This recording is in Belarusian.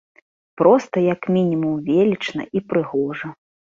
Проста як мінімум велічна і прыгожа.